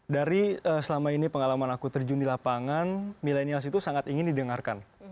dari selama ini pengalaman aku terjun di lapangan milenial itu sangat ingin didengarkan